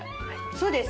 そうです。